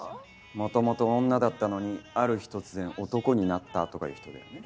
もともと女だったのにある日突然男になったとかいう人だよね？